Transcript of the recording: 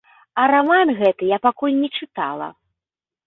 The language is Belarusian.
А раман гэты я пакуль не чытала.